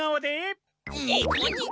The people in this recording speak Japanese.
ニコニコ！